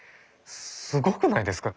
すごくないですか？